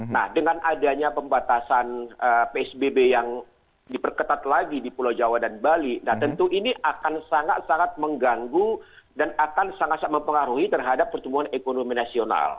nah dengan adanya pembatasan psbb yang diperketat lagi di pulau jawa dan bali nah tentu ini akan sangat sangat mengganggu dan akan sangat sangat mempengaruhi terhadap pertumbuhan ekonomi nasional